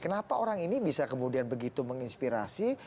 kenapa orang ini bisa kemudian begitu menginspirasi